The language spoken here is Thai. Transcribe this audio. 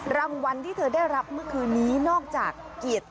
รางวัลที่เธอได้รับเมื่อคืนนี้นอกจากเกียรติ